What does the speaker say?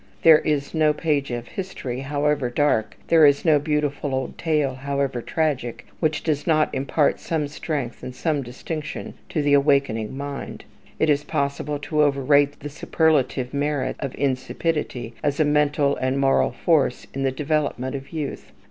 There is no page of history, however dark, there is no beautiful old tale, however tragic, which does not impart some strength and some distinction to the awakening mind. It is possible to overrate the superlative merits of insipidity as a mental and moral force in the development of youth.